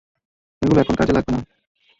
এগুলো এখন কাজে লাগবে না।